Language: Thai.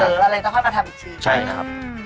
อ๋อแล้วสายเสริมอะไรเป็นก็ค่อยมาทำอีกทีใช่ครับ